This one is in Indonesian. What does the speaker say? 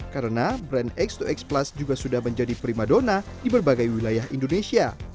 karena brand x dua x plus juga sudah menjadi prima dona di berbagai wilayah indonesia